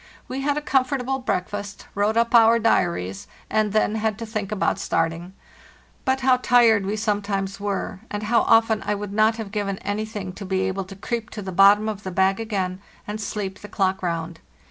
We had a com fortable breakfast, wrote up our diaries, and then had to think about starting. But how tired we sometimes were, and how often would I not have given anything to be able to creep to the bottom of the bag again and sleep the clock round.